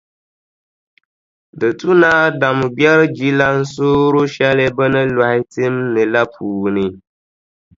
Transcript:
Di tu ni Adamu gbɛri jilansooro shɛli bɛ ni lɔhi tim ni la puuni.